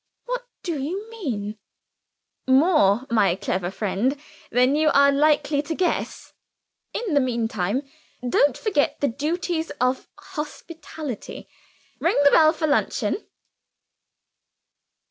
"What do you mean?" "More, my clever friend, than you are likely to guess. In the meantime, don't forget the duties of hospitality. Ring the bell for luncheon."